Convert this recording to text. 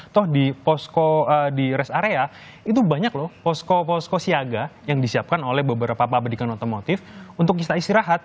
toh di posko di rest area itu banyak loh posko posko siaga yang disiapkan oleh beberapa pabrikan otomotif untuk bisa istirahat